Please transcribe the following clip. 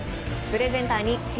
プレゼンターにＨｅｙ！